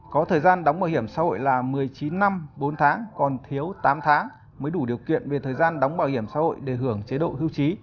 có thời gian đóng bảo hiểm xã hội là một mươi chín năm bốn tháng còn thiếu tám tháng mới đủ điều kiện về thời gian đóng bảo hiểm xã hội để hưởng chế độ hưu trí